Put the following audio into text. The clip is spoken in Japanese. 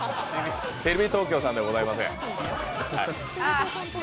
テレビ東京さんではございません。